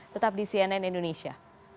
tetap di cnn indonesia